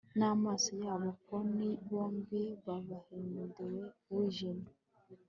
Namaso yabo poni bombi bAbahindeWijimye